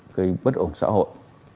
gây bất ổn xã hội